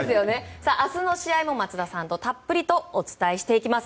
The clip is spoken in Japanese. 明日の試合も松田さんとたっぷりお伝えします。